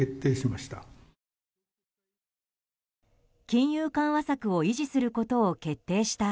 金融緩和策を維持することを決定した